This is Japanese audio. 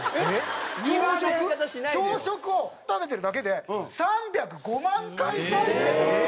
朝食を食べてるだけで３０５万回再生。